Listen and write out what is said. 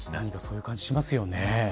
そういう感じしますね。